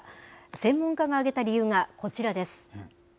専門家が挙げた理由がこちらです。